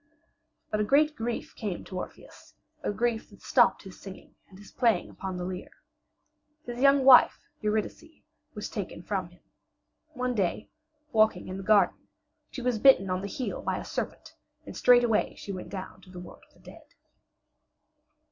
But a great grief came to Orpheus, a grief that stopped his singing and his playing upon the lyre. His young wife Eurydice was taken from him. One day, walking in the garden, she was bitten on the heel by a serpent, and straightway she went down to the world of the dead.